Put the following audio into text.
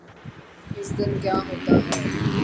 اس دن کیا ہوتاہے۔